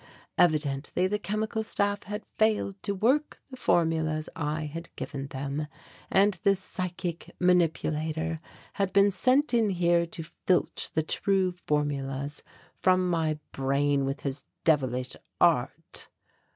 Evidently the Chemical Staff had failed to work the formulas I had given them and this psychic manipulator had been sent in here to filch the true formulas from my brain with his devilish art.